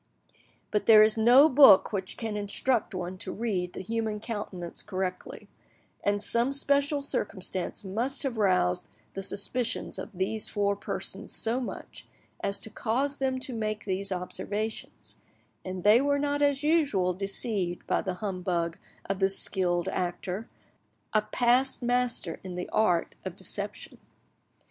But there is no book which can instruct one to read the human countenance correctly; and some special circumstance must have roused the suspicions of these four persons so much as to cause them to make these observations, and they were not as usual deceived by the humbug of this skilled actor, a past master in the art of deception.